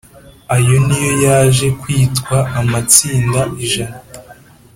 ayo ni yo yaje kwitwa amatsinda ijana.